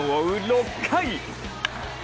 ６回。